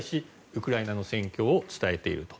ウクライナの戦況を伝えていると。